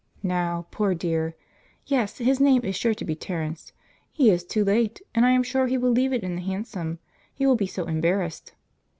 Now poor dear (yes, his name is sure to be Terence), he is too late, and I am sure he will leave it in the hansom, he will be so embarrassed."